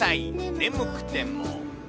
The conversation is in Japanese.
眠くても。